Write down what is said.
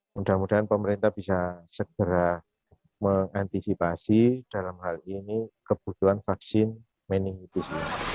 mudah mudahan pemerintah bisa segera mengantisipasi dalam hal ini kebutuhan vaksin meningitis